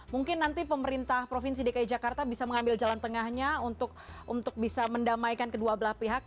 mungkin nanti pemerintah provinsi dki jakarta bisa mengambil jalan tengahnya untuk bisa mendamaikan kedua belah pihak